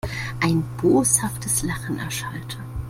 Ein boshaftes Lachen erschallte.